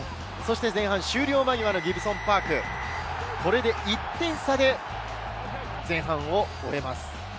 前半終了間際のギブソン＝パーク、１点差で前半を終えます。